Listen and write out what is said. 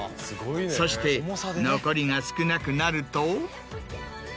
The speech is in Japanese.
そして残りが少なくなると。